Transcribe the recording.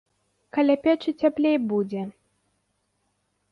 Каля печы цяплей будзе.